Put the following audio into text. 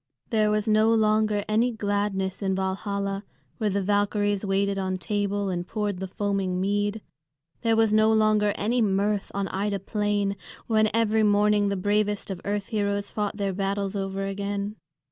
There was no longer any gladness in Valhalla, where the Valkyries waited on table and poured the foaming mead. There was no longer any mirth on Ida Plain, when every morning the bravest of earth heroes fought their battles over again.